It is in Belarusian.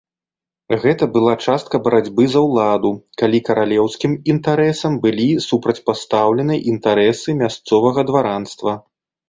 Гэта была частка барацьбы за ўладу, калі каралеўскім інтарэсам былі супрацьпастаўлены інтарэсы мясцовага дваранства.